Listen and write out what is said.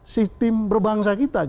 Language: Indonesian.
sistem berbangsa kita